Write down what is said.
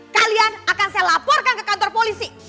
kalian akan saya laporkan ke kantor polisi